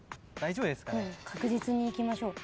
確実にいきましょう。